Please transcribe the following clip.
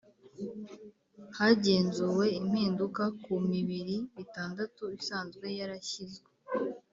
Hagenzuwe impinduka ku mibiri itandatu isanzwe yarashyizwe